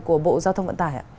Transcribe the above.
của bộ giao thông vận tài ạ